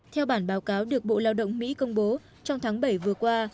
theo bản báo cáo được bộ lao động mỹ công bố trong tháng bảy vừa qua